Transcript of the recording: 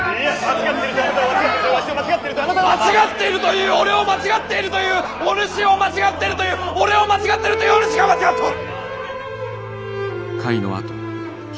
間違っているという俺を間違っているというお主を間違ってるという俺を間違ってるというお主が間違っておる！